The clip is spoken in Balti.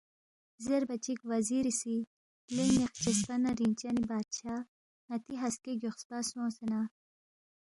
زیربا چِک وزیری سی، لے ن٘ی خچسپا نہ رِنگچنی بادشاہ، ن٘تی ہسکے گیوخسپا سونگسے نہ